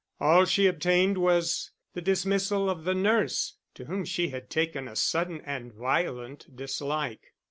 All she obtained was the dismissal of the nurse to whom she had taken a sudden and violent dislike.